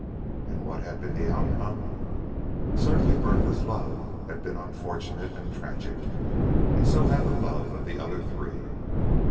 And what had been the outcome? Certainly Bertha's love had been unfortunate and tragic, and so had the love of the other three.